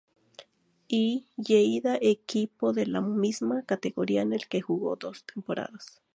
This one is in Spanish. E. Lleida equipo de la misma categoría en el que jugó dos temporadas.